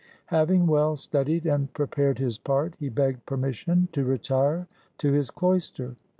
Having well studied and prepared his part, he begged permission to retire to his cloister.